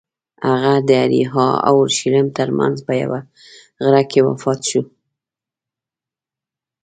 هغه د اریحا او اورشلیم ترمنځ په یوه غره کې وفات شو.